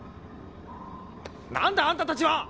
何だあんたたちは！